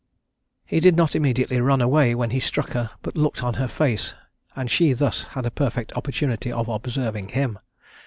He did not immediately run away when he struck her, but looked on her face, and she thus had a perfect opportunity of observing him.